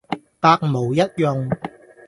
百無一用